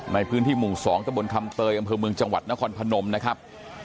ในพื้นที่หมู่๒ตะบนคำเตยอำเภอเมืองจังหวัดนครพนมนะครับ